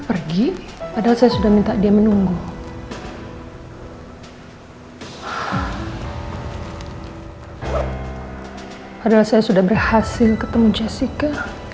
padahal saya sudah berhasil ketemu jessica